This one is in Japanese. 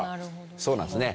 そうなんですね。